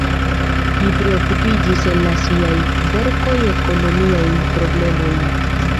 Li priokupiĝis en siaj verkoj ekonomiajn problemojn.